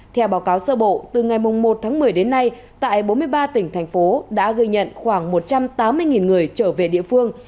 theo báo cáo sơ bộ từ ngày một tháng một mươi đến nay tại bốn mươi ba tỉnh thành phố đã ghi nhận khoảng một trăm tám mươi người trở về địa phương